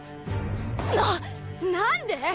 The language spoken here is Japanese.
なっ何で⁉